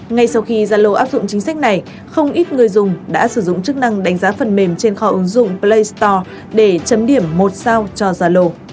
ngay sau khi zalo áp dụng chính sách này không ít người dùng đã sử dụng chức năng đánh giá phần mềm trên kho ứng dụng play store để chấm điểm một sao cho zalo